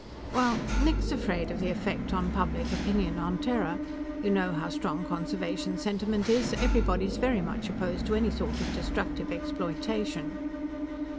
"Well, Nick's afraid of the effect on public opinion on Terra. You know how strong conservation sentiment is; everybody's very much opposed to any sort of destructive exploitation."